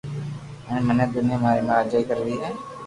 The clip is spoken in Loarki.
ھين مني دنيا ماٿي راجائي ڪروئ ھي